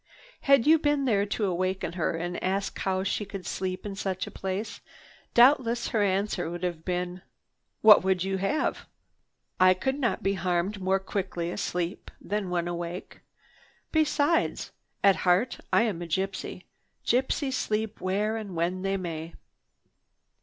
Had you been there to waken her and ask her how she could sleep in such a place, doubtless her answer would have been: "What would you have? I could not be harmed more quickly asleep than when awake. Besides, at heart I am a gypsy. Gypsies sleep where and when they may."